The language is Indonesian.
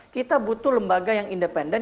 kita butuh lembaga yang independen